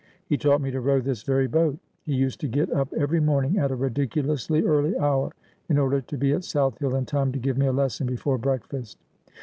' He taught me to row this very boat. He used to get up every morning at a ridiculously early hour, in order to be at South Hill in time to give me a lesson before breakfast.'